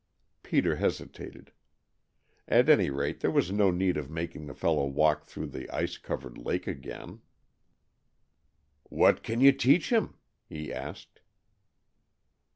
Peter hesitated. At any rate there was no need of making the fellow walk through the ice covered lake again. "What can you teach him?" he asked.